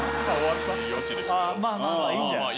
まあまあいいんじゃない？